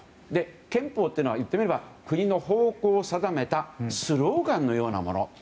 憲法とは言ってみれば国の方向を定めたスローガンのようなもの。